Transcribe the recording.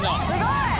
すごい！